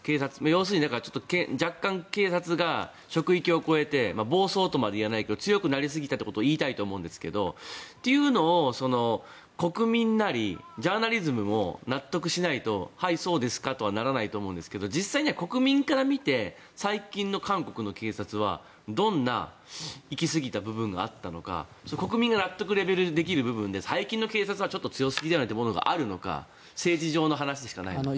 要するに、若干警察が職域を越えて暴走とまではいわないけど強くなりすぎたってことを言いたいと思うんですけどというのを国民なり、ジャーナリズムを納得させないとはい、そうですかとはならないと思うんですけど実際には国民から見て最近の韓国の警察はどんないき過ぎた部分があったのか国民が納得できる部分で最近の警察はちょっと強すぎじゃない？っていうのがあるのか政治上の話でしかないのか。